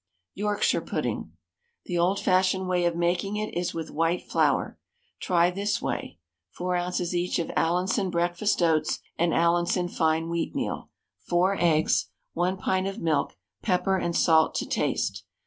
YORKSHIRE PUDDING. The old fashioned way of making it is with white flour. Try this way. 4 oz. each of Allinson breakfast oats and Allinson fine wheatmeal, 4 eggs, 1 pint of milk, pepper and salt to taste.